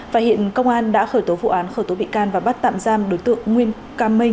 và hiện công an đã khởi tố vụ án khởi tố bị can và bắt tạm giam đối tượng nguyên cam minh